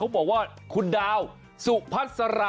บอกว่าคุณดาวสุพัสรา